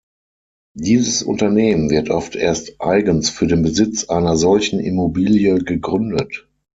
Dieses Unternehmen wird oft erst eigens für den Besitz einer solchen Immobilie gegründet.